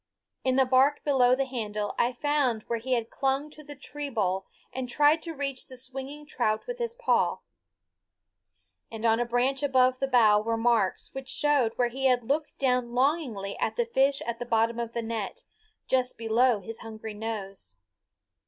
In the bark below the handle I found where he had clung to the tree boll and tried to reach the swinging trout with his paw; and on a branch above the bow were marks which showed where he had looked down longingly at the fish at the bottom of the net, just below his hungry nose.